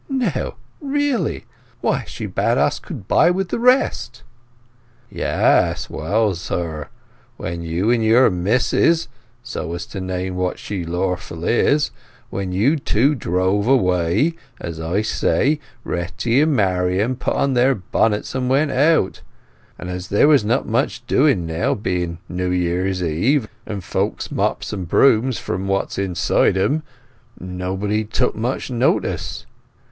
"No! Really! Why, she bade us goodbye with the rest—" "Yes. Well, sir, when you and your Mis'ess—so to name what she lawful is—when you two drove away, as I say, Retty and Marian put on their bonnets and went out; and as there is not much doing now, being New Year's Eve, and folks mops and brooms from what's inside 'em, nobody took much notice.